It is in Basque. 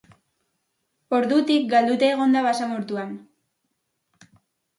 Ordutik, galduta egon da basamortuan.